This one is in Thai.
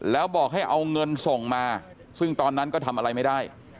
แล้วบอกให้เอาเงินส่งมาซึ่งตอนนั้นก็ทำอะไรไม่ได้